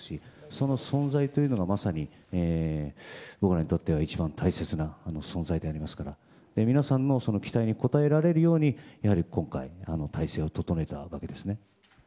その存在というのがまさに僕らにとっては一番大切な存在でありますから皆さんの期待に応えられるように今回、体制を整えてもらったわけですね。